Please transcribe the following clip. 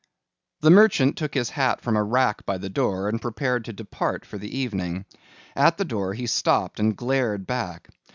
The merchant took his hat from a rack by the door and prepared to depart for the evening. At the door he stopped and glared back.